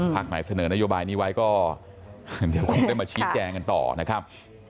ไหนเสนอนโยบายนี้ไว้ก็เดี๋ยวคงได้มาชี้แจงกันต่อนะครับ